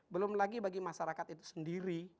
belum lagi bagi masyarakat itu sendiri